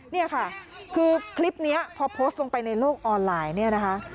นี่ค่ะคือคลิปนี้พอโพสต์ลงไปในโลกออนไลน์เนี่ยนะคะ